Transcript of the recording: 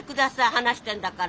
話してんだから。